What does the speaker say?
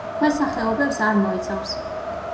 ქვესახეობებს არ მოიცავს.